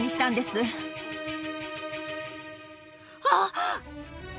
あっ！